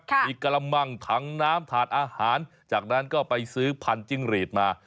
มีกระมังถังน้ำถาดอาหารจากนั้นก็ไปซื้อพันจิ้งหรีดมา